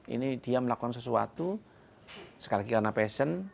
ini dia melakukan sesuatu sekali lagi karena passion